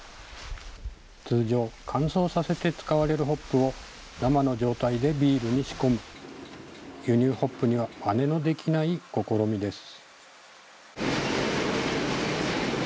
通常、乾燥させて使われるホップを、生の状態でビールに仕込む、輸入ホップにはまねのできない試みです。